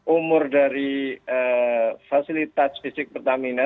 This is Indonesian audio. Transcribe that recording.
umur dari fasilitas fisik pertamina